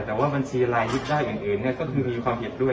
แต่ว่าบัญชีรายยึดได้อย่างอื่นก็คือมีความเห็นด้วย